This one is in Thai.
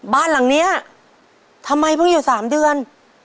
บ้านหลังนี้ทำไมเพิ่งอยู่๓เดือน